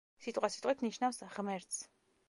სიტყვასიტყვით ნიშნავს „ღმერთს“.